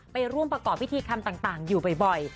ไปร่วมประกอบพิธีคำต่างอยู่บ่อย